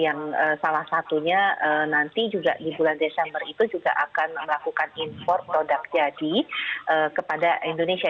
yang salah satunya nanti juga di bulan desember itu juga akan melakukan import produk jadi kepada indonesia